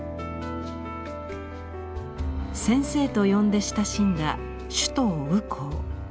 先生と呼んで親しんだ首藤雨郊。